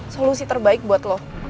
solusi terbaik buat lo